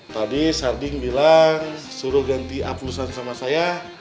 tadi sarding bilang suruh ganti aplusan sama saya